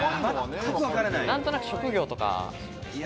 何となく職業とか。